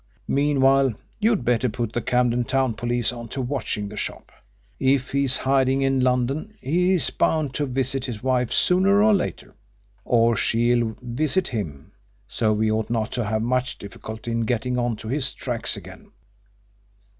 Meanwhile, you'd better put the Camden Town police on to watching the shop. If he's hiding in London he's bound to visit his wife sooner or later, or she'll visit him, so we ought not to have much difficulty in getting on to his tracks again."